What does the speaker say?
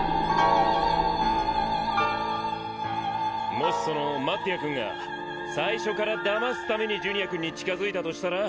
もしそのマッティア君が最初から騙すためにジュニア君に近づいたとしたら？